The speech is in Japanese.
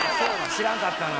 知らんかったな。